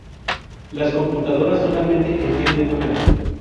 Las computadoras solamente entienden números.